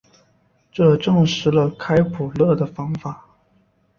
这证实了开普勒的方法。